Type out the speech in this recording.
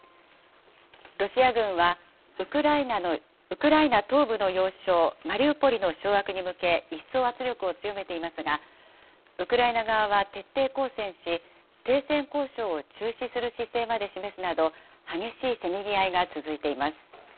ロシア軍は、ウクライナ東部の要衝、マリウポリの掌握に向け、一層圧力を強めていますが、ウクライナ側は徹底抗戦し、停戦交渉を中止する姿勢まで示すなど、激しいせめぎ合いが続いています。